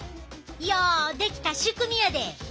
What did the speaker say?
ようできた仕組みやで。